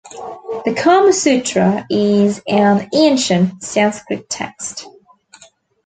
The "Kama Sutra" is an ancient Sanskrit text.